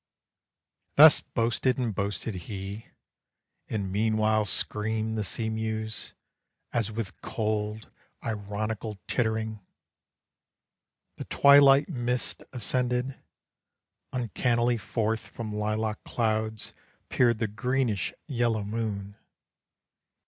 Thus boasted and boasted he, And meanwhile screamed the sea mews, As with cold, ironical tittering. The twilight mists ascended, Uncannily forth from lilac clouds Peered the greenish yellow moon.